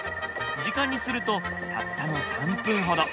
時間にするとたったの３分ほど。